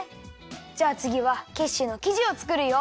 じゃあつぎはキッシュのきじをつくるよ。